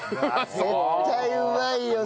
絶対うまいよ！